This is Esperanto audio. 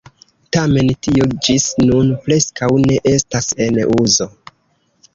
Tamen tio ĝis nun preskaŭ ne estas en uzo.